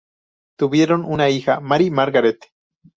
Tuvieron una hija, Mary Margaret.